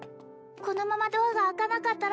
このままドアが開かなかったら